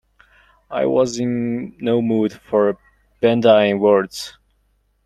I was in no mood for bandying words.